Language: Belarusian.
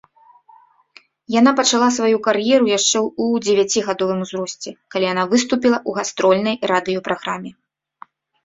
Яна пачала сваю кар'еру яшчэ ў дзевяцігадовым узросце, калі яны выступіла ў гастрольнай радыёпраграме.